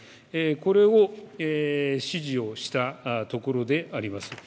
これを指示したところであります。